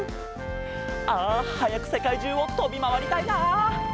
あはやくせかいじゅうをとびまわりたいな。